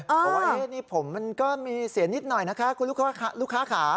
บอกว่านี่ผมมันก็มีเสียนิดหน่อยนะคะคุณลูกค้าขา